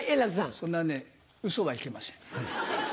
そんなね、うそはいけません。